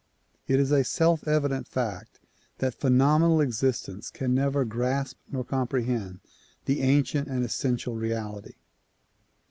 It is a self evident fact that phenomenal existence can never grasp nor comprehend the ancient and essential reality.